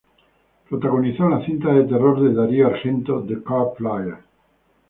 Protagonizó la cinta de terror de Dario Argento "The Card Player".